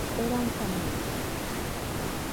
Era un camino".